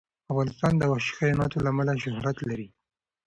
افغانستان د وحشي حیواناتو له امله شهرت لري.